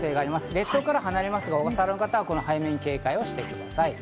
列島からは離れますが小笠原の方は早めに警戒してください。